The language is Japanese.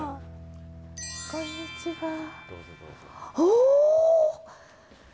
こんにちは。おっ！